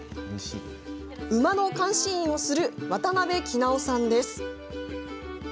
馬の監視員をする渡邉木直さんです。